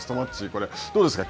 これ、どうですか。